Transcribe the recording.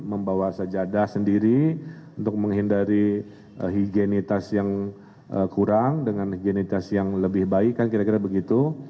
membawa sajadah sendiri untuk menghindari higienitas yang kurang dengan higienitas yang lebih baik kan kira kira begitu